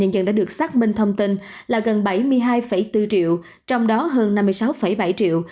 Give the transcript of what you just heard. nhận đã được xác minh thông tin là gần bảy mươi hai bốn triệu trong đó hơn năm mươi sáu bảy triệu